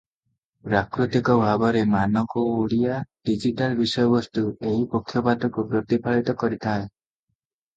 ପ୍ରାକୃତିକ ଭାବରେ ମାନକ ଓଡ଼ିଆ ଡିଜିଟାଲ ବିଷୟବସ୍ତୁ ଏହି ପକ୍ଷପାତକୁ ପ୍ରତିଫଳିତ କରିଥାଏ ।